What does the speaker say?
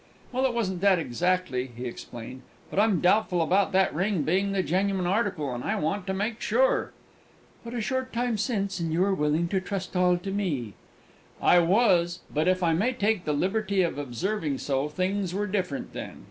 "Well, it wasn't that exactly," he explained; "but I'm doubtful about that ring being the genuine article, and I want to make sure." "But a short time since, and you were willing to trust all to me!" "I was; but, if I may take the liberty of observing so, things were different then.